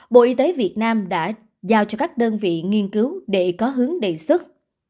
bộ y tế việt nam đã giao cho các đơn vị nghiên cứu để có hướng đầy sức